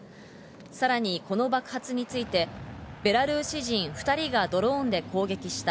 さらにこの爆発について、ベラルーシ人２人がドローンで攻撃した。